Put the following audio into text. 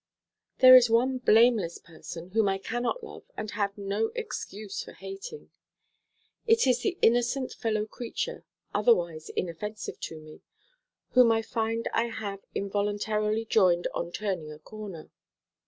There is one blameless person whom I cannot love and have no excuse for hating. It is the innocent fellow creature, otherwise inoffensive to me, whom I find I have involuntarily joined on turning a corner.